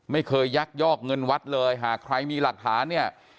ไม่เคยยักยอกเงินวัดเลยหากใครมีหลักฐานเนี่ย